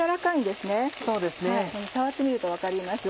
触ってみると分かります。